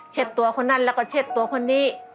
ตัวคนนั้นแล้วก็เช็ดตัวคนนี้